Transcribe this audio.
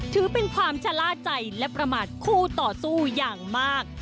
ถือเป็นความชะล่าใจและประมาทคู่ต่อสู้อย่างมาก